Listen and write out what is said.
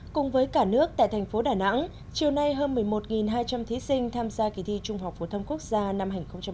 cùng với cả nước tại thành phố đà nẵng chiều nay hơn một mươi một hai trăm linh thí sinh tham gia kỳ thi trung học phổ thông quốc gia năm hai nghìn một mươi chín